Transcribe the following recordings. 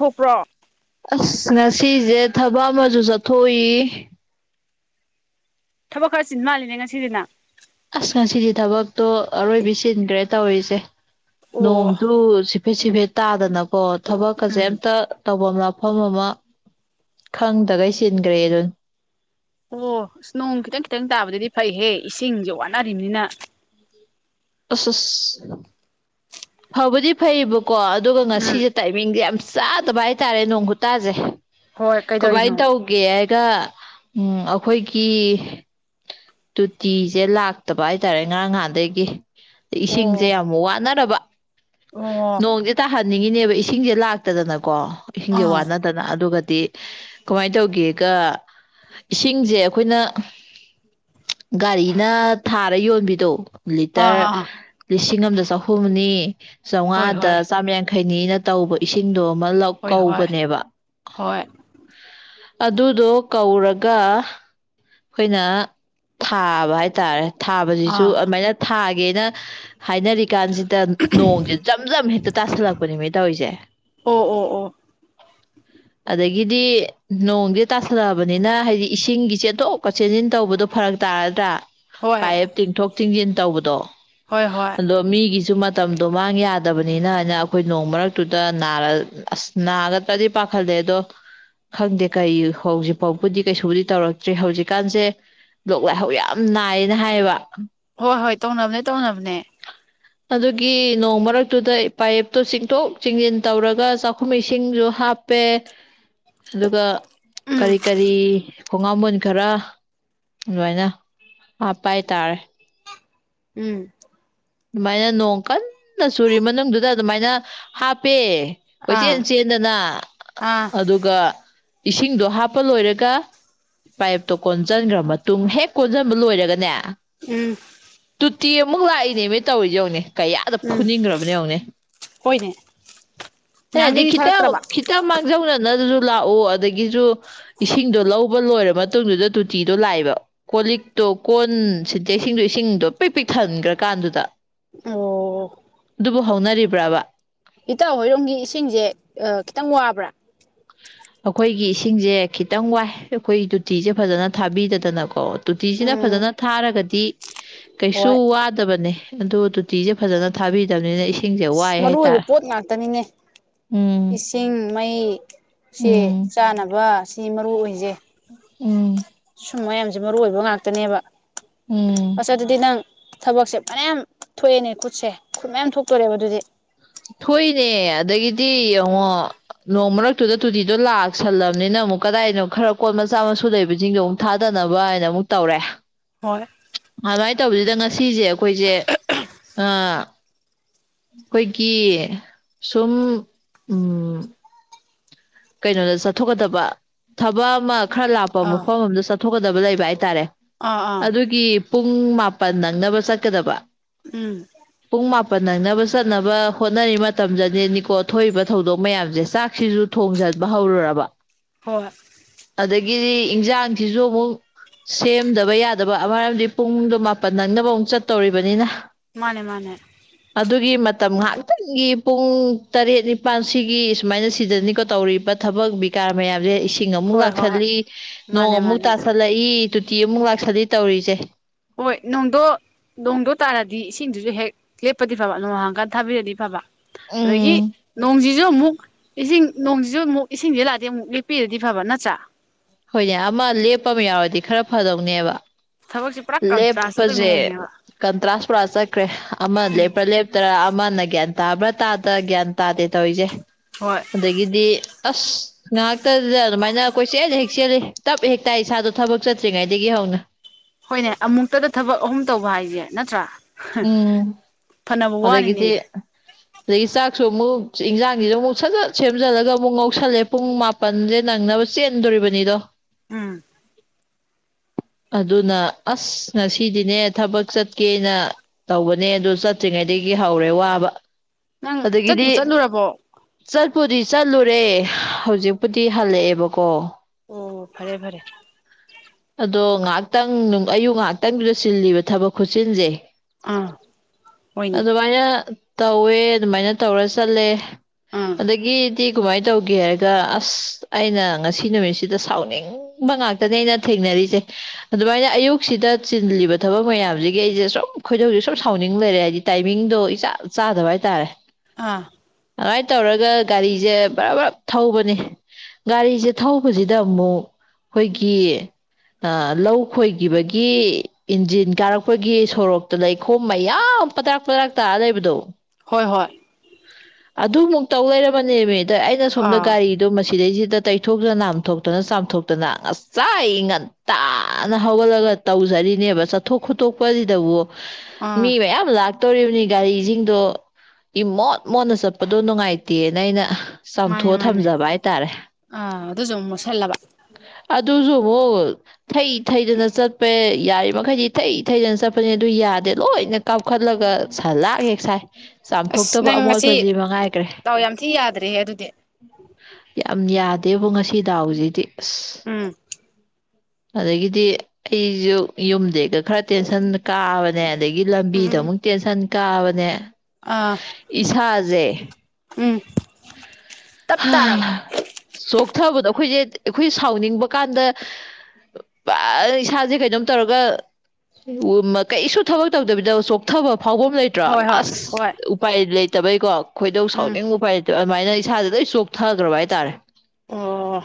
ꯍꯕ꯭ꯔꯣ ꯑꯁ ꯉꯁꯤꯁꯦ ꯊꯕꯛ ꯑꯃꯁꯨ ꯆꯠꯊꯣꯛꯏ ꯊꯕꯛ ꯈꯔ ꯆꯤꯟ ꯃꯥꯜꯂꯤꯅꯦ ꯉꯁꯤꯁꯤꯅ ꯑꯁ ꯉꯁꯤꯗꯤ ꯊꯕꯛꯇꯣ ꯑꯔꯣꯏꯕꯤ ꯆꯤꯟꯒ꯭ꯔꯦ ꯇꯧꯔꯤꯁꯦ ꯑꯣ ꯅꯣꯡꯖꯨ ꯐꯦꯠ ꯁꯤꯐꯦꯠ ꯇꯥꯗꯅꯀꯣ ꯊꯕꯛꯀꯁꯦ ꯎꯝ ꯑꯝꯇ ꯇꯧꯕꯝ ꯂꯥꯛꯐꯝ ꯑꯃ ꯈꯪꯗꯒꯩ ꯆꯤꯟꯒ꯭ꯔꯦ ꯑꯗꯨꯅꯤ ꯑꯣ ꯑꯁ ꯅꯣꯡ ꯈꯤꯇꯪ ꯈꯤꯇꯪ ꯇꯥꯕꯗꯨꯗꯤ ꯐꯩꯍꯦ ꯏꯁꯤꯡꯖꯦ ꯋꯥꯅꯔꯤꯕꯅꯤꯅ ꯑꯁ ꯑꯁ ꯐꯕꯗꯤ ꯐꯩꯔꯤꯕꯀꯣ ꯑꯗꯨꯒ ꯎꯝ ꯉꯁꯤꯁꯦ ꯇꯥꯏꯃꯤꯡꯁꯦ ꯌꯥꯝ ꯆꯥꯗꯕ ꯍꯥꯏꯇꯥꯔꯦ ꯅꯣꯡ ꯈꯨꯇꯥꯥꯖꯦ ꯍꯣꯏ ꯀꯃꯥꯏꯅ ꯀꯩꯗꯧꯔꯤꯅꯣ ꯇꯧꯒꯦ ꯍꯥꯏꯒ ꯎꯝ ꯑꯩꯈꯣꯏꯒꯤ ꯇꯨꯇꯤꯁꯦ ꯂꯥꯛꯇꯕ ꯍꯥꯏꯇꯥꯔꯦ ꯉꯔꯥꯡ ꯅꯍꯥꯟꯗꯒꯤ ꯏꯁꯤꯡꯖꯦ ꯑꯣ ꯌꯥꯝ ꯋꯥꯅꯔꯕ ꯑꯣ ꯅꯣꯡꯖꯦ ꯇꯥꯍꯟꯅꯤꯡꯉꯤꯅꯦꯕ ꯏꯁꯤꯡꯁꯦ ꯂꯥꯛꯇꯗꯅꯀꯣ ꯏꯁꯤꯡꯁꯦ ꯑꯥ ꯋꯥꯅꯗ ꯇꯅ ꯑꯗꯨꯒꯗꯤ ꯀꯃꯥꯏꯅ ꯇꯧꯒꯦꯒ ꯏꯁꯤꯡꯁꯦ ꯑꯩꯈꯣꯏꯅ ꯒꯥꯔꯤꯅ ꯊꯥꯔ ꯌꯣꯟꯕꯤꯗꯣ ꯑꯥ ꯂꯤꯇꯔ ꯑꯥ ꯂꯤꯁꯤꯡ ꯑꯃꯗ ꯆꯍꯨꯝꯅꯤ ꯍꯣꯏ ꯆꯥꯝꯃꯉꯥꯗ ꯍꯣꯏ ꯆꯥꯝꯃ ꯌꯥꯡꯈꯩꯅꯤꯅ ꯇꯧꯕ ꯏꯁꯤꯡꯗꯣ ꯑꯃ ꯂꯧ ꯍꯣꯏ ꯍꯣꯏ ꯀꯧꯕꯅꯦꯕ ꯍꯣꯏ ꯑꯗꯨꯗꯣ ꯀꯧꯔꯒ ꯑꯩꯈꯣꯏꯅ ꯊꯥꯕ ꯍꯥꯏꯇꯥꯔꯦ ꯊꯥꯕꯁꯤꯁꯨ ꯑꯥ ꯑꯗꯨꯃꯥꯏꯅ ꯊꯥꯒꯦꯅ ꯍꯥꯏꯅꯔꯤꯀꯥꯟꯖꯤ ꯗ ꯅꯣꯡꯖꯦ ꯖꯝ ꯖꯝ ꯍꯦꯛꯇ ꯇꯥꯁꯜꯂꯛꯄꯅꯤꯃꯦ ꯇꯧꯔꯤꯖꯦ ꯑꯣ ꯑꯣ ꯑꯣ ꯑꯗꯒꯤꯗꯤ ꯅꯣꯡꯗꯤ ꯇꯥꯁꯜꯂꯛꯑꯕꯅꯤꯅ ꯍꯥꯏꯗꯤ ꯏꯁꯤꯡꯒꯤꯁꯦꯇꯣꯞ ꯁꯤꯖꯤꯟ ꯇꯧꯕꯗꯣ ꯐꯔꯛ ꯇꯥꯔꯗ꯭ꯔꯥ ꯍꯣꯏ ꯄꯥꯏꯞ ꯇꯤꯡꯊꯣꯛ ꯇꯤꯡꯁꯤꯟ ꯇꯧꯕꯗꯣ ꯍꯣꯏ ꯍꯣꯏ ꯑꯣ ꯃꯤꯒꯤꯁꯨ ꯃꯇꯝꯗꯣ ꯃꯥꯡ ꯌꯥꯗꯕꯅꯤꯅ ꯍꯥꯏꯅ ꯑꯩꯈꯣꯏ ꯅꯣꯡ ꯃꯔꯛꯇꯨꯗ ꯅꯥꯔ ꯑꯁ ꯅꯒ ꯇꯗꯤ ꯄꯥꯈꯜꯗꯦꯗꯣ ꯈꯪꯗꯦ ꯀꯩ ꯍꯧꯖꯤꯛ ꯐꯥꯎꯕꯗꯤ ꯀꯩꯁꯨꯕꯨꯗꯤ ꯇꯧꯔꯛꯇ꯭ꯔꯤ ꯍꯧꯖꯤꯛ ꯍꯧꯖꯤ ꯀꯥꯟꯁꯦ ꯂꯣꯛ ꯂꯥꯏꯍꯥꯎ ꯌꯥꯝ ꯅꯥꯏꯌꯦꯅ ꯍꯥꯏꯌꯦꯕ ꯍꯣꯏ ꯍꯣꯏ ꯇꯧꯅꯕꯅꯦ ꯇꯧꯅꯕꯅꯦ [inaudible] ꯑꯗꯨꯒꯤ ꯅꯣꯡ ꯃꯔꯛꯇꯨꯗ ꯄꯥꯏꯞꯇꯣ ꯆꯤꯡꯊꯣꯛ ꯆꯤꯡꯁꯤꯟ ꯇꯧꯔꯒ ꯆꯥꯛꯈꯨꯝ ꯏꯁꯤꯡꯁꯨ ꯍꯥꯞ ꯍꯥꯞꯄꯦ ꯑꯗꯨꯒ ꯎꯝ ꯀꯔꯤ ꯀꯔꯤ ꯈꯣꯡꯉꯥꯝꯕꯣꯟ ꯈꯔ ꯑꯗꯨꯃꯥꯏꯅ ꯍꯥꯞꯄ ꯍꯥꯏꯇꯥꯔꯦ ꯎꯝ ꯑꯗꯨꯃꯥꯏꯅ ꯅꯣꯡ ꯀꯟꯅ ꯆꯨꯔꯤ ꯃꯅꯨꯡꯗꯨꯗ ꯑꯗꯨꯃꯥꯏꯅ ꯍꯥꯞꯄꯦ ꯀꯣꯏꯆꯦꯟ ꯑꯥ ꯆꯦꯟꯗꯅ ꯑꯥ ꯑꯗꯨꯒ ꯏꯁꯤꯡꯗꯣ ꯍꯥꯞꯄ ꯂꯣꯏꯔꯒ ꯄꯥꯏꯞꯇꯣ ꯀꯣꯟꯁꯤꯟꯈ꯭ꯔ ꯃꯇꯨꯡ ꯍꯦꯛ ꯀꯣꯟꯁꯤꯟꯕ ꯂꯣꯏꯔꯒꯅꯦ ꯎꯝ ꯇꯨꯇꯤ ꯑꯃꯨꯛ ꯂꯥꯛꯏꯅꯦꯕ ꯇꯧꯔꯤꯖꯦ ꯌꯦꯡꯉꯨꯅꯦ ꯀꯌꯥꯗ ꯎꯝ ꯐꯨꯅꯤꯡꯈ꯭ꯔꯕꯅꯣ ꯌꯦꯡꯉꯣꯅꯦ ꯍꯣꯏꯅꯦ ꯑꯩꯅ ꯍꯥꯏꯗꯤ ꯉꯍꯥꯟꯈꯩꯗꯤ ꯈꯤꯇ ꯊꯥꯔꯛꯇ꯭ꯔꯕ ꯈꯤꯇ ꯃꯥꯡꯖꯧꯅꯅꯁꯨ ꯂꯥꯛꯎ ꯑꯗꯒꯤꯁꯨ ꯏꯁꯤꯡꯗꯣ ꯂꯧ ꯂꯣꯏꯔ ꯃꯇꯨꯡꯗꯨꯗ ꯇꯨꯇꯤꯗꯣ ꯂꯥꯛꯑꯦꯕ ꯀꯣ ꯂꯤꯛꯇꯣ ꯎ ꯁꯤꯟꯇꯦꯛꯁꯤꯡꯗꯣ ꯏꯁꯤꯡꯗꯣ ꯄꯤꯛ ꯄꯤꯛ ꯊꯟꯈ꯭ꯔꯀꯥꯟꯗꯨꯗ ꯎꯝ ꯑꯗꯨꯕꯨ ꯍꯧꯅꯔꯤꯕ꯭ꯔꯥꯕ ꯏꯇꯥꯎ ꯍꯣꯏꯔꯣꯝꯒꯤ ꯏꯁꯤꯡꯁꯦ ꯈꯤꯇꯪ ꯋꯥꯕ꯭ꯔꯥ ꯑꯩꯈꯣꯏꯒꯤ ꯏꯁꯤꯡꯁꯦ ꯈꯤꯇꯪ ꯋꯥꯏ ꯑꯩꯈꯣꯏ ꯇꯣꯇꯤꯁꯦ ꯐꯖꯅ ꯊꯥꯕꯤꯗꯗꯅꯀꯣ ꯇꯨꯇꯤꯁꯤꯅ ꯎꯝ ꯐꯖꯅ ꯊꯥꯔꯒꯗꯤ ꯀꯩꯁꯨ ꯍꯣꯏ ꯑꯁ ꯋꯥꯗꯕꯅꯦ꯫ ꯑꯗ ꯇꯣꯇꯤꯁꯦ ꯐꯖꯅ ꯊꯥꯕꯤꯗꯕꯅꯤꯅ ꯁꯤꯡ ꯃꯔꯨ ꯑꯣꯏꯕ ꯄꯣꯠ ꯉꯥꯛꯇꯅꯤꯅꯦ ꯎꯝ ꯏꯁꯤꯡ ꯃꯩ ꯁꯦ ꯎꯝ ꯆꯥꯅꯕ ꯁꯤ ꯃꯔꯨ ꯑꯣꯏꯖꯦ꯫ ꯎꯝ ꯁꯨꯝꯕ ꯃꯌꯥꯝꯖꯦ ꯃꯔꯨ ꯑꯣꯏꯕ ꯉꯥꯛꯇꯅꯦꯕ꯫ ꯎꯝ ꯑꯁ ꯑꯗꯨꯗꯤ ꯅꯪ ꯊꯕꯛꯁꯦ ꯃꯌꯥꯝ ꯊꯣꯛꯑꯦꯅꯦ ꯈꯨꯠꯁꯦ ꯈꯨꯠ ꯃꯌꯥꯝ ꯊꯣꯛꯇꯣꯔꯦꯕ ꯑꯗꯨꯗꯤ ꯊꯣꯛꯏꯅꯦ ꯑꯗꯒꯤꯗꯤ ꯌꯦꯡꯉꯣ ꯅꯣꯡ ꯃꯔꯛꯇꯨꯗ ꯇꯨꯇꯤꯗꯣ ꯂꯥꯛꯁꯜꯂꯕꯅꯤꯅ ꯑꯃꯨꯛ ꯀꯗꯥꯏꯅꯣ ꯈꯔ ꯀꯣꯜ ꯃꯆꯥ ꯃꯁꯨ ꯂꯩꯕꯁꯤꯡꯗꯣ ꯊꯥꯗꯅꯕ ꯍꯥꯏꯅ ꯑꯃꯨꯛ ꯇꯧꯔꯦ꯫ ꯍꯣꯏ ꯑꯗꯨꯃꯥꯏꯅ ꯇꯧꯕꯁꯤꯗ ꯉꯁꯤꯁꯦ ꯑꯩꯈꯣꯏꯁꯦ ꯑ ꯑꯩꯈꯣꯏ ꯁꯨꯝ ꯎꯝ ꯀꯩꯅꯣꯗ ꯆꯠꯊꯣꯛꯀꯗꯕ ꯊꯕꯛ ꯑꯃ ꯈꯔ ꯂꯥꯞꯄ ꯑꯥ ꯃꯐꯝ ꯑꯃꯗ ꯊꯣꯛꯀꯗꯕ ꯂꯩꯕ ꯍꯥꯏꯇꯥꯔꯦ ꯑꯥ ꯑꯥ ꯑꯗꯨꯒꯤ ꯄꯨꯡ ꯃꯥꯄꯜ ꯅꯪꯅꯕ ꯆꯠꯀꯗꯕ ꯎꯝ ꯄꯨꯡ ꯃꯥꯄꯟ ꯅꯪꯅꯕ ꯆꯠꯅꯕ ꯍꯣꯠꯅꯔꯤ ꯃꯇꯝꯗꯅꯦꯀꯣ ꯊꯣꯛꯏꯕ ꯊꯧꯗꯣꯛ ꯃꯌꯥꯝꯁꯦ ꯆꯥꯛꯁꯤꯁꯨ ꯊꯣꯡꯖꯟꯕ ꯍꯧꯔꯨꯔꯕ ꯍꯣ ꯍꯣꯏ꯫ ꯑꯗꯒꯤꯗꯤ ꯏꯟꯁꯥꯡꯁꯤꯁꯨ ꯑꯃꯨꯛ ꯁꯦꯝꯗꯕ ꯌꯥꯗꯕ ꯃꯔꯝꯗꯤ ꯄꯨꯡꯗꯣ ꯃꯥꯄꯜ ꯅꯪꯅꯕ ꯑꯃꯨꯛ ꯆꯠꯇꯧꯔꯤꯕꯅꯤꯅ ꯃꯥꯅꯦ ꯃꯥꯅꯦ ꯑꯗꯨꯒꯤ ꯃꯇꯝ ꯉꯥꯏꯍꯥꯛꯇꯪꯒꯤ ꯄꯨꯡ ꯇꯔꯦꯠ ꯅꯤꯄꯥꯜ ꯁꯤꯒꯤ ꯁꯨꯃꯥꯏꯅ ꯁꯤꯗꯅꯤꯀꯣ ꯇꯧꯔꯤꯕ ꯊꯕꯛ ꯕꯤꯀꯥꯔ ꯃꯌꯥꯝꯁꯦ ꯏꯁꯤꯡ ꯑꯃꯨꯛ ꯍꯣꯏ ꯍꯣꯏ ꯂꯥꯛꯁꯤꯜꯂꯤ ꯅꯣꯡ ꯃꯥꯅꯦ ꯑꯃꯨꯛ ꯃꯥꯅꯦ ꯇꯥ ꯍꯂꯛꯏ ꯇꯨꯇꯤ ꯑꯃꯨꯛ ꯂꯥꯛꯁꯜꯂꯤ ꯇꯧꯔꯤꯁꯦ ꯍꯣꯏ ꯅꯣꯡꯗꯣ ꯅꯣꯡꯗꯣ ꯇꯥꯔꯗꯤ ꯏꯁꯤꯡꯗꯨꯁꯨ ꯍꯦꯛ ꯂꯦꯞꯄꯗꯤ ꯐꯕ ꯅꯣꯡꯍꯥꯡꯀꯥꯟ ꯊꯥꯕꯤꯔꯗꯤ ꯐꯕ꯫ ꯑꯗꯒꯤ ꯎꯝ ꯅꯣꯡꯁꯤꯁꯨ ꯑꯃꯨꯛ ꯏꯁꯤꯡ ꯅꯣꯡꯁꯤꯁꯨ ꯑꯃꯨꯛ ꯏꯁꯤꯡꯗꯤ ꯂꯥꯛꯇꯦ ꯑꯃꯨꯛ ꯂꯦꯞꯄꯤꯔꯗꯤ ꯐꯕꯥ ꯅꯠꯇ꯭ꯔꯥ ꯍꯣꯏꯅꯦ ꯑꯃ ꯂꯦꯞꯄ ꯑꯃ ꯌꯥꯎꯔꯗꯤ ꯈꯔ ꯐꯗꯧꯅꯦꯕ ꯊꯕꯛꯁꯦ ꯄꯨꯔꯥ ꯀꯟꯇ꯭ꯔꯥꯁ ꯆꯠꯇꯣꯏ ꯂꯦꯞꯄꯖꯦ ꯃꯑꯣꯡꯅꯦꯕ ꯀꯟꯇ꯭ꯔꯥꯁ ꯄꯨꯔꯥ ꯆꯠꯈ꯭ꯔꯦ ꯑꯃꯅ ꯎꯝ ꯂꯦꯞꯄ꯭ꯔꯥ ꯂꯦꯞꯇ꯭ꯔꯥ ꯑꯃꯅ ꯒ꯭ꯌꯥꯟ ꯇꯥꯕ꯭ꯔꯥ ꯇꯥꯗ ꯒ꯭ꯌꯥꯟ ꯇꯥꯗꯦ ꯇꯧꯔꯤꯁꯦ ꯍꯣꯏ ꯑꯗꯒꯤꯗꯤ ꯑꯁ ꯉꯥꯛꯇꯗ ꯑꯗꯨꯃꯥꯏꯅ ꯀꯣꯏꯆꯦꯟ ꯍꯦꯛ ꯆꯦꯜꯂꯤ ꯇꯞ ꯍꯦꯛꯇꯥꯏ ꯏꯁꯥꯗꯣ ꯊꯕꯛ ꯆꯠꯇ꯭ꯔꯤꯉꯩꯗꯒꯤ ꯍꯧꯅ꯫ ꯍꯣꯏꯅꯦ ꯑꯃꯨꯛꯇꯗ ꯊꯕꯛ ꯑꯍꯨꯝ ꯇꯧꯕ ꯍꯥꯏꯁꯦ ꯅꯠꯇ꯭ꯔꯥ ꯎꯝ ꯐꯅꯕ ꯑꯗꯒꯤ ꯋꯥꯅꯤꯅꯦ ꯗꯤ ꯑꯗꯩ ꯆꯥꯛꯁꯨ ꯑꯃꯨꯛ ꯏꯟꯖꯥꯡꯖꯤꯖꯨ ꯑꯃꯨꯛ ꯁꯠꯖꯠ ꯁꯦꯝꯖꯜꯂꯒ ꯑꯃꯨꯛ ꯉꯧꯁꯜꯂꯦ ꯄꯨꯡ ꯄꯟꯖ‌ꯦ ꯅꯪꯅꯕ ꯆꯦꯟꯗꯣꯔꯤꯕꯅꯤꯗꯣ ꯎꯝ ꯑꯗꯨꯅ ꯑꯁ ꯉꯁꯤꯗꯤꯅꯦ ꯊꯕꯛ ꯆꯠꯀꯦꯅ ꯇꯧꯕꯅꯦ ꯑꯗꯨ ꯆꯠꯇ꯭ꯔꯤꯉꯩꯗꯒꯤ ꯍꯧꯔꯦ ꯋꯥꯕ ꯅꯪ ꯆꯠꯄꯨ ꯑꯗꯒꯤꯗꯤ ꯆꯠꯂꯨꯔꯕꯣ ꯆꯠꯄꯨꯗꯤ ꯆꯠꯂꯨꯔꯦ ꯍꯧꯖꯤꯛꯄꯨꯗꯤ ꯍꯜꯂꯛꯑꯦꯕꯀꯣ ꯑꯣ ꯐꯔꯦ ꯐꯔꯦ ꯑꯗꯣ ꯉꯥꯍꯥꯛꯇꯪ ꯑꯌꯨꯛ ꯉꯥꯍꯥꯛꯇꯪꯗꯨꯗ ꯆꯜꯂꯤꯕ ꯊꯕꯛ ꯈꯨꯠꯆꯤꯟꯁꯦ ꯑꯥ ꯍꯣꯏꯅꯦ ꯑꯗꯨꯃꯥꯏꯅ ꯇꯧꯋꯦ ꯑꯗꯨꯃꯥꯏꯅ ꯇꯧꯔ ꯆꯠꯂꯦ ꯑꯥ ꯑꯗꯒꯤ ꯇꯦ ꯀꯃꯥꯏꯅ ꯇꯧꯒꯦ ꯍꯥꯏꯔꯒ ꯑꯁ ꯑꯩꯅ ꯉꯁꯤ ꯅꯨꯃꯤꯠꯁꯤꯗ ꯁꯥꯎꯅꯤꯡꯕ ꯉꯥꯛꯇꯅꯦ ꯑꯩꯅ ꯊꯦꯡꯅꯔꯤꯁꯦ ꯑꯗꯨꯃꯥꯏꯅ ꯑꯌꯨꯛꯁꯤꯗ ꯆꯤꯜꯂꯤꯕ ꯊꯕꯛ ꯃꯌꯥꯝꯁꯤꯒꯤ ꯑꯩꯁꯦ ꯁꯨꯝ ꯑꯩꯈꯣꯏꯗ ꯖ‌ꯦ ꯁꯨꯝ ꯁꯥꯎꯅꯤꯡ ꯂꯩꯔꯦ ꯍꯥꯏꯗꯤ ꯇꯥꯏꯃꯤꯡꯗꯣ ꯏꯆꯥ ꯆꯥꯗꯕ ꯍꯥꯏꯇꯥꯔꯦ ꯑꯥ ꯑꯃꯥꯏ ꯇꯧꯔꯒ ꯒꯥꯔꯤꯖ‌ꯦ ꯕꯔꯞ ꯕꯔꯥꯞ ꯊꯧꯕꯅꯤ ꯒꯥꯔꯤꯖ‌ꯦ ꯊꯧꯕꯖꯤꯗ ꯑꯃꯨꯛ ꯑꯩꯈꯣꯏꯒꯤ ꯑ ꯂꯧ ꯈꯣꯏꯒꯤꯕꯒꯤ꯫ ꯏꯟꯖꯤꯟ ꯀꯥꯔꯛꯄꯒꯤ ꯁꯣꯔꯣꯛꯇ ꯂꯩꯈꯣꯝꯃꯌꯥꯝ ꯄꯗ꯭ꯔꯥꯛ ꯄꯗ꯭ꯔꯥꯛ ꯇꯥꯔ ꯂꯩꯕꯗꯣ ꯍꯣꯏ ꯍꯣꯏ ꯑꯗꯨꯃꯨꯛꯇꯧ ꯂꯩꯔꯕꯅꯦ ꯃꯤ ꯑꯩꯅ ꯁꯣꯝꯗ ꯑꯥ ꯒꯥꯔꯤ ꯑꯗꯨ ꯃꯁꯤꯗꯩꯁꯤꯗ ꯇꯩꯊꯣꯛꯇꯅ ꯅꯥꯝꯊꯣꯛꯇꯅ ꯆꯥꯝꯊꯣꯛꯇꯅ ꯉꯁꯥꯏ ꯉꯟ ꯉꯟꯇꯥꯅ ꯍꯧꯒꯠꯂꯒ ꯇꯧꯖꯔꯤꯅꯦꯕ ꯆꯠꯊꯣꯛ ꯈꯣꯠꯇꯣꯛꯄꯖꯤꯗꯕꯨ꯫ ꯑꯥ ꯃꯤ ꯃꯌꯥꯝ ꯂꯥꯛ ꯇꯧꯔꯤꯕꯅꯤ ꯒꯥꯔꯤꯖꯤꯡꯗꯣ ꯏ ꯃꯣꯠ ꯃꯣꯠꯅ ꯆꯠꯄꯗꯣ ꯅꯨꯡꯉꯥꯏꯇꯦꯅ ꯑꯩꯅ ꯃꯥꯅꯦ ꯆꯥꯝꯊꯣꯛꯑ ꯃꯥꯅꯦ ꯊꯝꯖꯕ ꯍꯥꯏꯇꯥꯔꯦ ꯑꯥ ꯑꯗꯨꯁꯨ ꯑꯃꯨꯛ ꯃꯣꯠꯁꯜꯂꯕ ꯑꯗꯨꯖꯨ ꯑꯃꯨꯛ ꯊꯩ ꯊꯩꯗꯅ ꯆꯠꯄꯦ ꯌꯥꯔꯤꯃꯈꯩꯗꯤ ꯊꯩ ꯊꯩꯗꯅ ꯆꯠꯄꯅꯦ ꯑꯗꯨ ꯌꯥꯗꯦ ꯂꯣꯏꯅ ꯀꯥꯞꯈꯠꯂꯒ ꯁꯂꯥꯛ ꯍꯦꯛ ꯁꯥꯏ꯫ ꯑꯁ ꯆꯥꯝꯊꯣꯛꯇꯕ ꯅꯪ ꯉꯁꯤ ꯑꯃꯣꯠꯄꯖꯤ ꯃꯉꯥꯏꯒ꯭ꯔ‌ꯦ ꯗꯥꯎ ꯌꯥꯝ ꯊꯤ ꯌꯥꯗ꯭ꯔꯦꯍꯦ ꯑꯗꯨꯗꯤ ꯌꯥꯝ ꯌꯥꯗꯦꯕ‌ꯣ ꯉꯁꯤ ꯗꯥꯎꯖꯤꯗꯤ ꯑꯁ ꯎꯝ ꯑꯗꯒꯤꯗꯤ ꯑꯩꯖꯨ ꯌꯨꯝꯗꯩꯒ ꯈꯔ ꯇꯦꯟꯁꯟ ꯀꯥꯕꯅꯦ ꯑꯗꯒꯤ ꯎꯝ ꯎꯝ ꯂꯝꯕꯤꯗ ꯎꯝ ꯑꯃꯨꯛ ꯇꯦꯟꯁꯟ ꯀꯥꯕꯅꯦ ꯑꯥ ꯏꯁꯥꯖ‌ꯦ ꯎꯝ꯫ ꯇꯞ ꯇꯥꯔꯕ ꯍꯥ ꯆꯣꯛꯊꯕꯗꯣ ꯑꯩꯈꯣꯏꯖ‌ꯦ ꯑꯩꯈꯣꯏ ꯁꯥꯎꯅꯤꯡꯕ ꯀꯥꯟꯗ ꯕ ꯏꯁꯥꯖꯦ ꯀꯩꯅꯣꯝ ꯇꯧꯔꯒ ꯎ ꯀꯩꯁꯨ ꯊꯕꯛ ꯇꯧꯗꯕꯤꯗ ꯆꯣꯛꯊꯕ ꯐꯥꯎꯕ ꯃ ꯂꯩ ꯇ꯭ꯔꯣ ꯍꯣꯏ ꯍꯣꯏ ꯍꯣꯏ ꯑꯁ ꯎꯄꯥꯏ ꯂꯩꯇꯕꯩꯀꯣ ꯈꯣꯏꯗꯧ ꯎꯝ ꯁꯥꯎꯅꯤꯡꯕ ꯎꯄꯥꯏ ꯂꯩꯇ ꯑꯗꯨꯃꯥꯏꯅ ꯏꯁꯥꯗ ꯂ‌ꯣꯏ ꯆꯣꯛꯊꯥꯒ꯭ꯔꯕ ꯍꯥꯏꯇꯥꯥꯔꯦ ꯑꯣ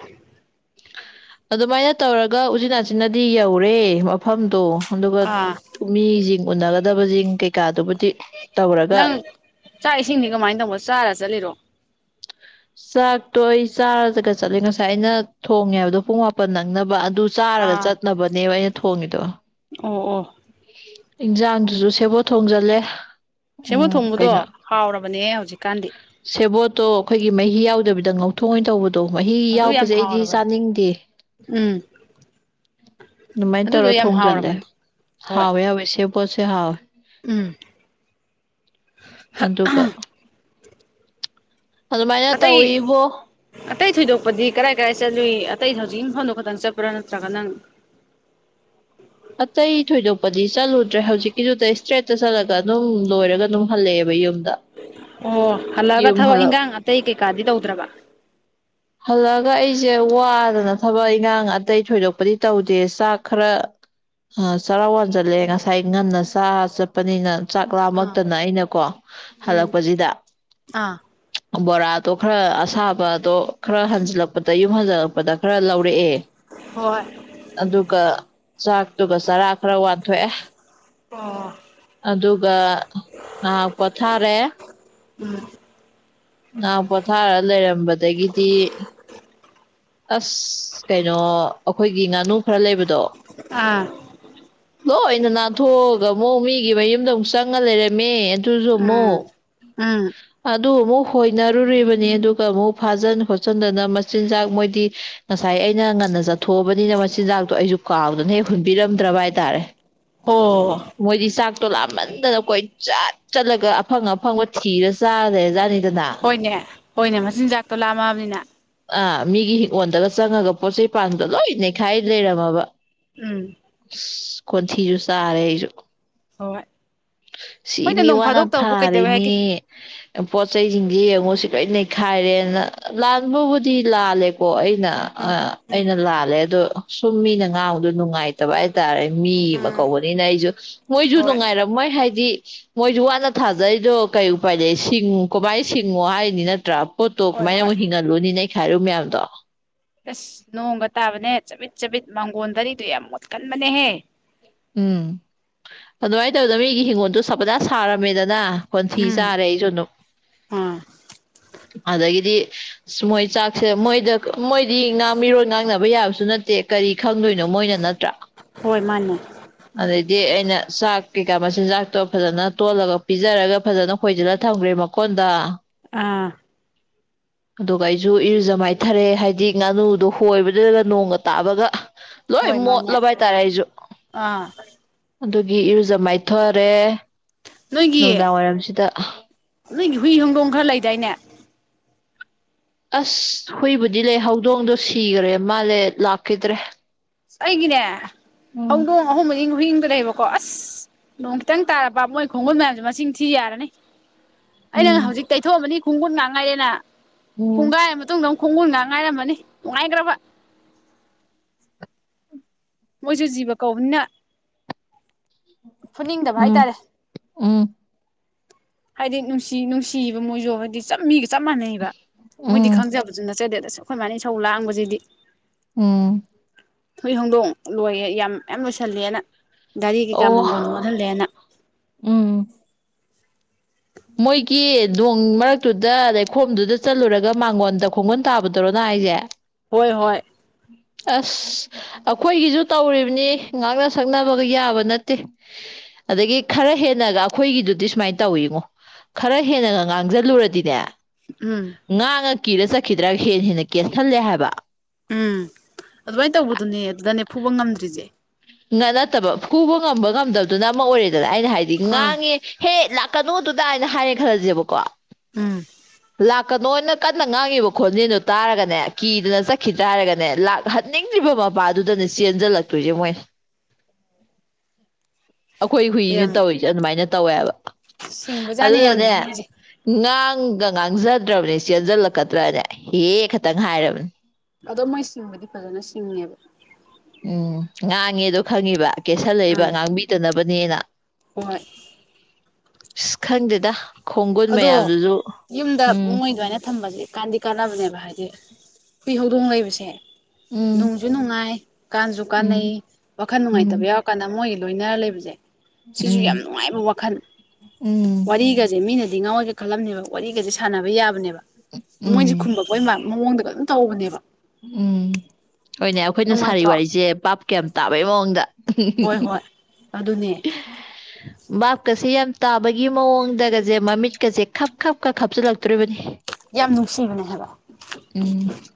ꯑꯗꯨꯃꯥꯏꯅ ꯇꯧꯔꯒ ꯎꯆꯤꯟ ꯅꯥꯆꯤꯟꯅꯗꯤ ꯌꯧꯔꯦ ꯃꯐꯝꯗꯣ꯫ ꯑꯗꯨꯒ ꯑꯥ ꯃꯤꯖꯤꯡ ꯎꯅꯒꯗꯕꯖꯤꯡ ꯀꯩꯀꯥꯗꯨꯕꯨꯗꯤ ꯇꯧꯔꯒ ꯅꯪ ꯆꯥꯛ ꯏꯁꯤꯡꯗꯤ ꯀꯃꯥꯏꯅ ꯇꯧꯕ ꯆꯥꯔ ꯆꯠꯂꯤꯔꯣ ꯆꯥꯛꯇꯣꯏ ꯑꯩ ꯆꯥꯔꯒ ꯆꯠꯂꯦ ꯉꯁꯥꯏ ꯑꯩꯅ ꯊꯣꯡꯉꯦ ꯍꯥꯏꯕꯗꯣ ꯄꯨꯡ ꯃꯥꯄꯟ ꯅꯪꯅꯕ ꯑꯗꯨ ꯆꯥꯔꯒ ꯑꯥ ꯆꯠꯅꯕꯅꯦꯕ ꯑꯩꯅ ꯊꯣꯡꯉꯤꯗꯣ꯫ ꯑꯣ ꯑꯣ ꯏꯟꯖꯥꯡꯗꯨꯖꯨ ꯁꯦꯕꯣꯠ ꯊꯣꯡꯖꯜꯂꯦ ꯁꯦꯡꯕ ꯎꯝ ꯊꯣꯡꯕꯗꯣ ꯀꯩꯅꯣ ꯍꯥꯎꯔꯕꯅꯦ ꯍꯧꯖꯤꯛꯀꯥꯟꯗꯤ ꯁꯦꯕꯣꯠꯇꯣ ꯑꯩꯈꯣꯏꯒꯤ ꯃꯍꯤ ꯌꯥꯎꯗꯕꯤꯗ ꯉꯧꯊꯣꯛꯑꯣ ꯑꯣꯏꯅ ꯇꯧꯕꯗꯣ ꯑꯗꯣ ꯃꯍꯤ ꯑꯗꯨ ꯌꯥꯝ ꯌꯥꯎꯕꯁꯦ ꯑꯩꯗꯤ ꯍꯥꯎꯔꯕꯅꯦ ꯆꯥꯅꯤꯡꯗꯦ ꯎꯝ ꯑꯗꯨꯃꯥꯏꯅ ꯑꯗꯨꯗꯣ ꯇꯧꯔ ꯌꯥꯝ ꯊꯣꯡꯖꯜꯂꯦ ꯍꯥꯎꯔꯕꯅꯦ ꯍꯣꯏ ꯍꯥꯎꯋꯦ ꯍꯥꯎꯋꯦ ꯁꯦ ꯄꯣꯠꯁꯦ ꯍꯥꯎꯋꯦ ꯎꯝ ꯑꯗꯨꯒ ꯑꯗꯨꯃꯥꯏꯅ ꯑꯇꯩ ꯇꯧꯋꯤꯕꯣ꯫ ꯑꯇꯩ ꯊꯣꯏꯗꯣꯛꯄꯗꯤ ꯀꯔꯥꯏ ꯀꯔꯥꯏ ꯆꯠꯂꯨꯏ ꯑꯇꯩ ꯍꯧꯖꯤꯛ ꯏꯪꯐꯝꯗꯣ ꯈꯛꯇꯪ ꯆꯠꯄ꯭ꯔꯥ ꯅꯠꯇ꯭ꯔꯒ ꯅꯪ ꯑꯇꯩ ꯊꯣꯏꯗꯣꯛꯄꯗꯤ ꯆꯠꯂꯨꯗ꯭ꯔꯦ ꯍꯧꯖꯤꯛꯀꯤꯗꯨꯗ ꯏꯁꯇ꯭ꯔꯦꯠꯇ ꯆꯠꯂꯒ ꯑꯗꯨꯝ ꯂꯣꯏꯔꯒ ꯑꯗꯨꯝ ꯍꯜꯂꯛꯑꯦꯕ ꯌꯨꯝꯗ ꯑꯣ ꯍꯜꯂꯛꯑꯒ ꯌꯨꯝ ꯊꯕꯛ ꯍꯜꯂꯛ ꯏꯟꯈꯥꯡ ꯑꯇꯩ ꯀꯩꯀꯥꯗꯤ ꯇꯧꯗ꯭ꯔꯕ ꯍꯜꯂꯛꯑꯒ ꯑꯩꯁꯦ ꯋꯥꯗꯅ ꯊꯕꯛ ꯏꯉꯥꯡ ꯑꯇꯩ ꯊꯣꯏꯗꯣꯛꯄꯗꯤ ꯇꯧꯗꯦ ꯆꯥꯛ ꯈꯔ ꯑ ꯆꯔꯥꯛ ꯋꯥꯟ ꯆꯠꯂꯦ ꯉꯁꯥꯏ ꯉꯟꯅ ꯆꯥ ꯆꯠꯄꯅꯤꯅ ꯆꯥꯛ ꯑꯥ ꯂꯥꯃꯛꯇꯅ ꯑꯩꯅꯀꯣ ꯎꯝ ꯍꯜꯂꯛꯄꯁꯤꯗ ꯑꯥ ꯕꯣꯔꯥꯗꯣ ꯈꯔ ꯑꯁꯥꯕꯗꯣ ꯈꯔ ꯍꯟꯖꯤꯜꯂꯛꯄꯗ ꯌꯨꯝ ꯍꯟꯖꯜꯂꯛꯄꯗ ꯈꯔ ꯂꯧꯔꯛꯑꯦ ꯍꯣꯏ ꯑꯗꯨꯒ ꯆꯥꯛꯇꯨꯒ ꯆꯔꯥ ꯈꯔ ꯋꯥꯟꯊꯣꯛꯑꯦ ꯑ ꯑꯗꯨꯒ ꯉꯥꯏꯍꯥꯛ ꯄꯣꯊꯥꯔꯦ ꯎꯝ ꯑ ꯄꯣꯊꯥꯔ ꯂꯩꯔꯝꯕꯗꯒꯤꯗꯤ ꯑꯁ ꯀꯩꯅꯣ ꯑꯩꯈꯣꯏꯒꯤ ꯉꯥꯅꯨ ꯈꯔ ꯂꯩꯕꯗꯣ꯫ ꯑꯥ ꯎꯝ ꯂꯣꯏꯅ ꯅꯥꯟꯊꯣꯛꯑꯒ ꯑꯃꯨꯛ ꯃꯤꯒꯤ ꯃꯌꯨꯝꯗ ꯑꯃꯨꯛ ꯆꯪꯉ ꯂꯩꯔꯝꯃꯦ ꯑꯗꯨꯁꯨ ꯑꯃꯨꯛ ꯎꯝ ꯎꯝ ꯑꯗꯨ ꯑꯃꯨꯛ ꯍꯣꯏꯅꯔꯨꯔꯤꯕꯅꯤ ꯑꯗꯨꯒ ꯑꯃꯨꯛ ꯐꯥꯖꯟ ꯈꯣꯠꯆꯤꯟꯗꯅ ꯃꯆꯤꯟꯖꯥꯛ ꯃꯣꯏ ꯤ ꯉꯁꯥꯏ ꯑꯩꯅ ꯉꯟꯅ ꯆꯠꯊꯣꯛꯑꯕꯅꯤꯅ ꯃꯆꯤꯟꯖꯥꯛꯇꯣ ꯑꯩꯁꯨ ꯀꯥꯎꯗꯨꯅ ꯍꯦꯛ ꯍꯨꯟꯕꯤꯔꯝꯗ꯭ꯔꯕ ꯍꯥꯏꯇꯥꯔꯦ ꯑꯣ ꯃꯣꯏꯗꯤ ꯆꯥꯛꯇꯣ ꯂꯥꯃꯟꯗꯅ ꯀꯣꯏ ꯆꯠ ꯆꯠꯂꯒ ꯑꯐꯪ ꯑꯐꯪꯕ ꯊꯤꯔ ꯆꯥꯔꯦꯖꯥꯠꯅꯤꯗꯅ ꯍꯣꯏꯅꯦ ꯍꯣꯏꯅꯦ ꯃꯆꯤꯟꯖꯥꯛꯇꯣ ꯂꯥꯝꯃꯛꯑꯕꯅꯤꯅ꯫ ꯑꯥ ꯃꯤꯒꯤ ꯍꯤꯡꯒꯣꯜꯗꯒ ꯆꯪꯉꯒ ꯄꯣꯠ ꯆꯩ ꯄꯥꯟꯗꯣ ꯂꯣꯏ ꯅꯩꯈꯥꯏ ꯂꯩꯔꯝꯃꯕ ꯎꯝ ꯀꯣꯊꯤꯁꯨ ꯁꯥꯔꯦ ꯑꯩꯁꯨ ꯍ ꯁꯤ ꯃꯤ ꯋꯥꯅ ꯀꯩꯗꯧꯋꯦ ꯍꯥꯏꯒꯦ ꯊꯥꯔꯤꯅꯦ ꯄꯣꯠꯆꯩꯖꯤꯡꯖꯦ ꯌꯦꯡꯉꯨ ꯁꯤ ꯂꯣꯏ ꯅꯩꯈꯥꯏꯔꯦꯅ ꯂꯥꯟꯕꯕꯨꯗꯤ ꯂꯥꯜꯂꯦꯀꯣ ꯑꯩ꯫ ꯑꯩꯅ ꯎꯝ ꯑꯩꯅ ꯂꯥꯜꯂꯦ ꯑꯗꯣ ꯁꯨꯝ ꯃꯤꯅ ꯉꯥꯡꯕꯗꯣ ꯅꯨꯡꯉꯥꯏꯇꯕ ꯍꯥꯏꯇꯥꯔꯦ ꯃꯤ ꯑꯃ ꯎꯝ ꯀꯧꯕꯅꯤꯅ ꯑꯩꯖꯨ ꯃꯣꯏꯖꯨ ꯍꯣꯏ ꯅꯨꯡꯉꯥꯏꯔꯝ ꯃꯣꯏ ꯍꯥꯏꯗꯤ ꯃꯣꯏꯖꯨ ꯋꯥꯅ ꯊꯥꯖꯔꯤꯗꯣ ꯀꯩ ꯎꯄꯥꯏ ꯂꯩ ꯁꯤꯡꯉꯨ ꯀꯃꯥꯏ ꯁꯤꯡꯉꯣ ꯍꯥꯏꯅꯤ ꯅꯠꯇ꯭ꯔꯥ꯫ ꯄꯣꯠꯇꯣ ꯍꯣꯏ ꯀꯃꯥꯏꯅ ꯍꯣꯏ ꯑꯃꯨꯛ ꯍꯤꯡꯍꯜꯂꯨꯅꯤꯅꯦ ꯑꯩ ꯍꯥꯏꯔꯨ ꯃꯌꯥꯝꯗꯣ ꯑꯁ ꯅꯣꯡꯒ ꯇꯥꯕꯅꯦ ꯆꯕꯤꯠ ꯆꯕꯤꯠ ꯃꯥꯡꯒꯣꯟ ꯔꯤꯗꯨꯣ ꯌꯥꯝ ꯃꯣꯠꯀꯟꯕꯅꯦꯍꯦ ꯎꯝ ꯑꯗꯨꯃꯥꯏꯅ ꯇꯧꯗꯅ ꯃꯤꯒꯤ ꯍꯤꯡꯒꯣꯟꯗꯣ ꯁꯕꯅꯥꯁ ꯁꯥꯔꯝꯃꯦꯗꯅ꯫ ꯀꯣꯟꯊꯤ ꯆꯥꯔꯦ ꯑꯩꯁꯨ ꯑꯗꯨꯨ ꯑ ꯑꯗꯒꯤꯗꯤ ꯃꯣꯏ ꯆꯥꯛꯁꯦ ꯃꯣꯏꯗ ꯃꯣꯏꯗꯤ ꯉ ꯃꯤꯔꯣꯟ ꯉꯥꯡꯅꯕ ꯌꯥꯕꯁꯨ ꯅꯠꯇꯦ ꯀꯔꯤ ꯈꯪꯗꯣꯏꯗꯣ ꯃꯣꯏꯅ ꯅꯠꯇ꯭ꯔꯥ꯫ ꯍꯣꯏ ꯃꯥꯅꯦ ꯑꯗꯩꯗꯤ ꯑꯩꯅ ꯆꯥꯛ ꯀꯩꯀꯥ ꯃꯆꯤꯟꯖꯥꯛꯇꯣ ꯐꯖꯅ ꯇꯣꯜꯂꯒ ꯄꯤꯖꯔꯒ ꯐꯖꯅ ꯈꯣꯏꯖꯤꯜꯂ ꯊꯝꯈ꯭ꯔꯦ ꯀꯟꯗ ꯑꯥ [unintelligible] ꯑꯗꯨꯒ ꯑꯩꯁꯨ ꯏꯔꯨꯖ ꯃꯥꯏꯊꯔꯦ ꯍꯥꯏꯗꯤ ꯉꯥꯅꯨꯗꯣ ꯍꯣꯏꯕꯗꯨꯒ ꯅꯣꯡꯒ ꯇꯥꯕꯒ ꯂꯣꯏ ꯍꯣꯏ ꯃꯥꯅꯦ ꯃꯣꯠꯂꯕ ꯍꯥꯏꯇꯥꯔꯦ ꯑꯩꯁꯨ ꯑꯥ ꯑꯗꯨꯒꯤ ꯏꯔꯨꯖ ꯃꯥꯏꯊꯔꯦ ꯅꯣꯏꯒꯤ ꯅꯨꯡꯗꯥꯡ ꯋꯥꯏꯔꯝꯁꯤꯗ ꯅꯣꯏꯒꯤ ꯍꯨꯏ ꯍꯧꯗꯣꯡ ꯈꯔ ꯂꯩꯗꯥꯏꯅꯦ ꯑꯁ ꯍꯨꯏꯕꯨꯗꯤ ꯂꯩ ꯍꯧꯗꯣꯡꯗꯣ ꯁꯤꯒꯔꯦ ꯃꯥꯜꯂꯦ ꯂꯥꯛꯈꯤꯗ꯭ꯔꯦ ꯑꯩꯒꯤ ꯅꯦ ꯎꯝ ꯍꯧꯗꯣꯡ ꯑꯍꯨꯝ ꯃꯔꯤ ꯑꯃꯒꯥ ꯍꯨꯏ ꯑꯃꯒꯥ ꯂꯩꯑꯦ ꯕꯀꯣ ꯑꯁ ꯅꯣꯡ ꯈꯤꯇꯪ ꯇꯥꯔꯕ ꯃꯣꯏ ꯈꯣꯡꯒꯟ ꯃꯌꯥꯝꯁꯦ ꯃꯁꯤꯡ ꯊꯤ ꯌꯥꯔꯅꯤ ꯑꯩꯅ ꯎꯝ ꯍꯧꯖꯤꯛ ꯇꯩꯊꯣꯛꯑꯃꯅꯤ ꯈꯣꯡꯒꯨꯟ ꯉꯥꯛ ꯉꯥꯏꯔꯦꯅ ꯎꯝ ꯄꯨꯡꯒꯥꯏ ꯃꯇꯨꯡꯗ ꯑꯃꯨꯛ ꯈꯣꯡꯒꯨꯟ ꯉꯥꯛ ꯉꯥꯏꯔꯝꯃꯅꯤ ꯅꯨꯡꯉꯥꯏꯈ꯭ꯔꯕ ꯃꯣꯏꯁꯨ ꯖꯤꯕ ꯀꯧꯕꯅꯤꯅ ꯐꯨꯠꯅꯤꯡꯗꯕ ꯎꯝ ꯍꯥꯏꯇꯥꯔꯦ ꯎꯝ ꯍꯥꯏꯗꯤ ꯅꯨꯡꯁꯤ ꯅꯨꯡꯁꯤꯕ ꯃꯣꯏꯁꯨ ꯍꯥꯏꯗꯤ ꯆꯞꯃꯤꯒ ꯆꯞ ꯃꯥꯟꯅꯩꯑꯕ ꯃꯣꯏꯗꯤ ꯎꯝ ꯈꯪꯖꯕꯁꯨ ꯅꯠꯆꯗꯦꯗꯁꯨꯨꯝ ꯑꯩꯈꯣꯏ ꯃꯥꯅ ꯏꯁꯧꯂꯥꯡꯕ ꯁꯤꯗꯤ ꯎꯝ ꯍꯏ ꯍꯣꯡꯗꯣꯡ ꯂꯣꯏꯌꯦ ꯌꯥꯝ ꯌꯥꯝ ꯂꯣꯏꯁꯜꯂꯦꯅ ꯒꯥꯔꯤ ꯀꯩꯀꯥ ꯑꯣ ꯃꯥꯡꯒꯣꯟꯜ ꯃꯠꯍꯜꯂꯦꯅ ꯎꯝ ꯃꯣꯏꯒꯤ ꯅꯣꯡ ꯃꯔꯛꯇꯨꯗ ꯂꯩꯩꯈꯣꯝꯗꯨꯗ ꯆꯠꯂꯨꯔꯒ ꯃꯥꯡꯒꯣꯟꯗ ꯈꯣꯡꯒꯨꯣꯟ ꯇꯥꯕ ꯗꯣꯔꯥ ꯍꯥꯏꯖꯦ ꯍꯣꯏ ꯍꯣꯏ ꯑꯁ ꯑꯩꯈꯣꯏꯒꯤꯁꯨ ꯇꯧꯔꯤꯕꯅꯤ ꯉꯥꯛꯅ ꯁꯛꯅꯕꯒ ꯌꯥꯕ ꯅꯠꯇꯦ ꯑꯗꯒꯤ ꯈꯔ ꯍꯦꯟꯅꯒ ꯑꯩꯈꯣꯏꯒꯤꯗꯨꯗꯤ ꯁꯨꯃꯥꯏꯅ ꯇꯧꯋꯤꯉꯣ ꯈꯔ ꯍꯦꯟꯅꯒ ꯉꯥꯡꯁꯤꯜꯂꯨꯔꯗꯤꯅꯦ ꯎꯝ ꯉꯥꯡꯉ ꯀꯤꯔ ꯆꯠꯈꯤꯗ꯭ꯔꯒ ꯍꯦꯟꯅ ꯍꯦꯟꯅ ꯀꯦꯁꯜꯂꯦ ꯍꯥꯏꯕ ꯎꯝ ꯑꯗꯨꯃꯥꯏꯅ ꯇꯧꯕꯗꯨꯅꯦ ꯑꯗꯨꯗꯅꯦ ꯐꯨꯕ ꯉꯝꯗ꯭ꯔꯤꯁꯦ ꯅꯠꯇꯕ ꯐꯨꯕ ꯉꯝꯕ ꯉꯝꯗꯕꯗꯨꯅ ꯑꯃ ꯑꯣꯏꯔꯦꯗꯅ ꯑꯩꯅ ꯍꯥꯏꯗꯤ ꯑꯥ ꯉꯥꯡꯉꯦ ꯍꯦ ꯂꯥꯛꯀꯅꯨꯗꯨꯗꯅ ꯍꯥꯏꯔꯦ ꯈꯜꯂꯖꯦꯕꯀꯣ ꯎꯝ ꯂꯥꯛꯀꯅꯣꯅ ꯀꯟꯅ ꯉꯥꯡꯉꯤꯕ ꯈꯣꯟꯖꯦꯟꯗꯣ ꯇꯥꯔꯒꯅꯦ ꯀꯤꯗꯅ ꯆꯠꯈꯤꯗ꯭ꯔ ꯍꯥꯏꯔꯒꯅꯦ ꯂꯥꯛ ꯍꯠ ꯅꯤꯡꯗ꯭ꯔꯤꯕ ꯃꯄꯥꯗꯨꯗꯅꯦ ꯆꯦꯟꯖꯜꯂꯛꯇꯣꯏꯖꯦ ꯃꯣꯏꯅ ꯑꯩꯈꯣꯏ ꯍꯨꯏꯅ ꯌꯥꯝ ꯇꯧꯔꯤꯁꯦ ꯑꯗꯨꯃꯥꯏꯅ ꯇꯧꯋꯦꯕ ꯁꯤꯡꯕꯖꯥꯠꯅꯦ ꯌꯥꯝ ꯑꯗꯨꯅꯅꯦ ꯃꯣꯏꯁꯦ ꯉꯥꯡꯒ ꯉꯥꯡꯖꯗ꯭ꯔꯕꯅꯦ ꯆꯦꯟꯖꯜꯂꯛꯀꯗ꯭ꯔꯅꯦ ꯍꯦ ꯈꯇꯪ ꯍꯥꯏꯔꯕꯅꯦ ꯑꯗꯣ ꯃꯣꯏ ꯁꯤꯡꯕꯗꯤ ꯐꯖꯅ ꯁꯤꯡꯉꯦꯕ ꯎꯝ ꯉꯥꯡꯉꯦꯗꯣ ꯈꯪꯉꯤꯕ ꯀꯦꯁꯜꯂꯛꯏꯕ ꯎꯝ ꯉꯥꯡꯕꯤꯗꯅꯕꯅꯦꯅ ꯍꯣꯏ ꯏꯁ ꯈꯪꯗꯦꯗ ꯈꯣꯡꯒꯨꯟ ꯑꯗꯣ ꯃꯌꯥꯝꯗꯨꯁꯨ ꯌꯨꯝꯗ ꯎꯝ ꯃꯣꯏ ꯑꯗꯨꯃꯥꯏꯅ ꯊꯝꯕꯁꯦ ꯀꯥꯟꯗꯤ ꯀꯥꯟꯅꯕꯅꯦꯕ ꯍꯥꯏꯗꯤ ꯍꯨꯏ ꯍꯧꯗꯣꯡ ꯂꯩꯕꯁꯦ ꯎꯝ ꯅꯨꯡꯁꯨ ꯅꯨꯡꯉꯥꯏ ꯀꯥꯟꯖꯨ ꯀꯥꯟꯅꯩ ꯎꯝ ꯋꯥꯈꯜ ꯅꯨꯡꯉꯥꯏꯇꯕ ꯎꯝ ꯌꯥꯎꯔꯀꯥꯟꯗ ꯃꯣꯏꯒ ꯂꯣꯏꯅꯔ ꯂꯩꯕꯖꯦ ꯁꯤꯁꯨ ꯎꯝ ꯌꯥꯝ ꯅꯨꯡꯉꯥꯏꯕ ꯋꯥꯈꯜ ꯎꯝ ꯋꯥꯔꯤꯒꯁꯦ ꯃꯤꯅꯗꯤ ꯉꯥꯎꯋꯦꯒ ꯈꯜꯂꯝꯅꯦꯕ ꯋꯥꯔꯤꯒꯁꯦ ꯁꯥꯟꯅꯕ ꯌꯥꯕꯅꯦꯕ ꯃꯣꯏꯁꯦ ꯎꯝ ꯈꯨꯝꯃꯛꯄꯩ ꯃꯥꯟꯕꯩ ꯃꯑꯣꯡꯗ ꯒ ꯑꯗꯨꯝ ꯇꯧꯕꯅꯦꯕ ꯎꯝ ꯍꯣꯅꯦ ꯑꯩꯈꯣꯏꯅ ꯁꯥꯔꯤ ꯅꯨꯡꯉꯥꯏꯇ꯭ꯔꯣ ꯋꯥꯔꯤꯁꯦ ꯕꯥꯞꯀꯥ ꯌꯥꯝ ꯇꯥꯕꯩ ꯃꯑꯣꯡꯗ ꯍꯣꯏ ꯍꯣꯏ ꯑꯗꯨꯅꯦ ꯕꯥꯞ ꯀꯥꯁꯦ ꯌꯥꯝ ꯇꯥꯕꯒꯤ ꯃꯑꯣꯡꯗꯒꯁꯦ ꯃꯃꯤꯠꯀꯁꯦ ꯈꯞ ꯈꯞ ꯈ ꯈꯞꯆꯤꯜꯂꯛꯇꯣꯔꯤꯕꯅꯤ ꯌꯥꯝ ꯅꯨꯡꯁꯤꯕꯅꯦ ꯍꯥꯏꯕ ꯎꯝ